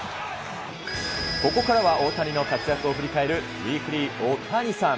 ここからは大谷の活躍を振り返る、ウィークリーオオタニサン！